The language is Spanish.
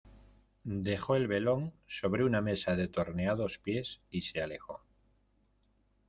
dejó el velón sobre una mesa de torneados pies, y se alejó: